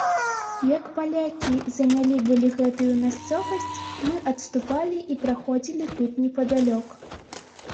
Як палякі занялі былі гэтую мясцовасць, мы адступалі і праходзілі тут непадалёк.